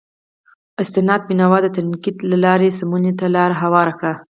استناد بینوا د تنقید له لارې سمونې ته لار هواره کړه.